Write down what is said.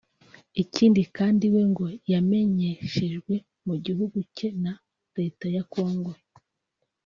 ikindi kandi we ngo yameneshejwe mu gihugu cye na Leta ya Congo